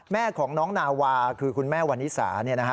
แม่ของน้องนาวาคือคุณแม่วันนิสา